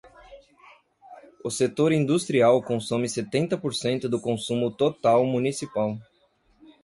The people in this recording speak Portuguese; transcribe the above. O setor industrial consome setenta por cento do consumo total municipal.